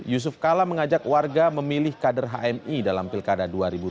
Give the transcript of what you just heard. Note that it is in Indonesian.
yusuf kala mengajak warga memilih kader hmi dalam pilkada dua ribu dua puluh